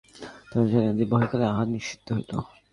তাহার সেদিনকার বৈকালিক আহার নিষিদ্ধ হইল।